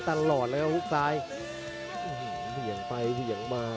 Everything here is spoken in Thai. กันต่อแพทย์จินดอร์